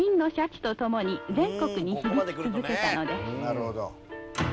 なるほど。